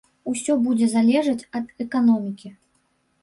Усё будзе залежаць ад эканомікі.